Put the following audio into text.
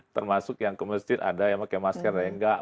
termasuk yang ke masjid ada yang pakai masker